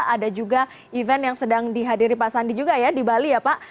ada juga event yang sedang dihadiri pak sandi juga ya di bali ya pak